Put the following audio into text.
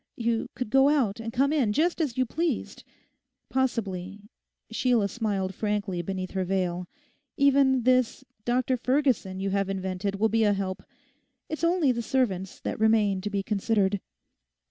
You could go out and come in just as you pleased. Possibly,' Sheila smiled frankly beneath her veil, 'even this Dr Ferguson you have invented will be a help. It's only the servants that remain to be considered.